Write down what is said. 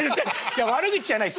いや悪口じゃない。